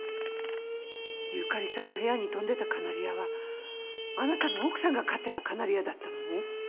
由佳里さんの部屋に飛んでたカナリアはあなたの奥さんが飼ってたカナリアだったのね。